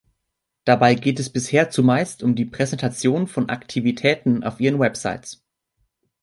Dabei geht es bisher zumeist um die Präsentation von Aktivitäten auf ihren Websites.